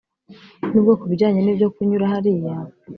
nubwo kubijyanye nibyo kunyura hariya